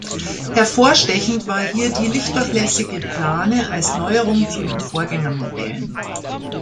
Hervorstechend war hier die lichtdurchlässige Plane als Neuerung zu den Vorgängermodellen.